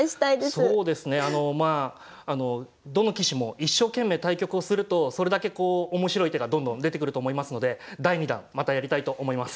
そうですねまあどの棋士も一生懸命対局をするとそれだけこう面白い手がどんどん出てくると思いますので第２弾またやりたいと思います。